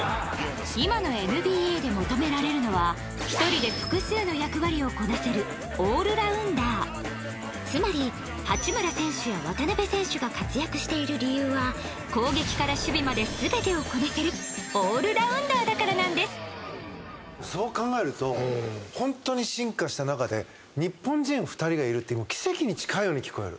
今のＮＢＡで求められるのは１人で複数の役割をこなせるオールラウンダーつまり、八村選手や渡邊選手が活躍している理由は攻撃から守備まで全てをこなせるオールラウンダーだからなんですそう考えると本当に進化した中で日本人２人がいるって奇跡に近いように聞こえる。